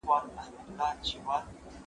زه هره ورځ د سبا لپاره د هنرونو تمرين کوم!؟